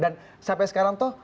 dan sampai sekarang tuh